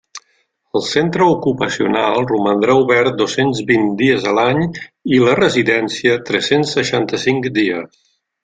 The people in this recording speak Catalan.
El Centre Ocupacional romandrà obert dos-cents vint dies a l'any i la Residència tres-cents seixanta-cinc dies.